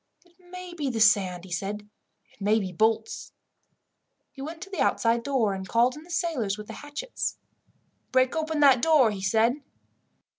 "It may be the sand," he said. "It may be bolts." He went to the outside door, and called in the sailors with the hatchets. "Break open that door," he said.